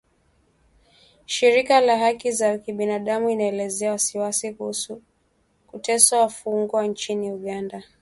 Shirika la haki za Binadamu inaelezea wasiwasi kuhusu kuteswa wafungwa nchini Uganda